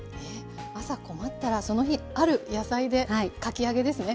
朝困ったらその日ある野菜でかき揚げですね！